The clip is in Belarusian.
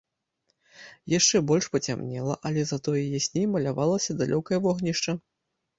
Яшчэ больш пацямнела, але затое ясней малявалася далёкае вогнішча.